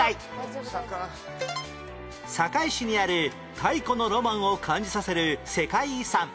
堺市にある太古のロマンを感じさせる世界遺産